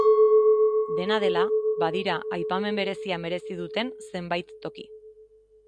Dena dela, badira aipamen berezia merezi duten zenbait toki.